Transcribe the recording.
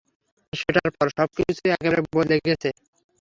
আর সেটার পর, সবকিছুই একেবারে বদলে গেছে।